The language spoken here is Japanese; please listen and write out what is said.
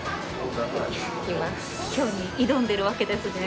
今日に挑んでるわけですね。